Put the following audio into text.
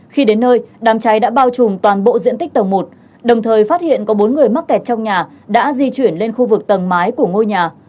khi đến nơi đám cháy đã bao trùm toàn bộ diện tích tầng một đồng thời phát hiện có bốn người mắc kẹt trong nhà đã di chuyển lên khu vực tầng mái của ngôi nhà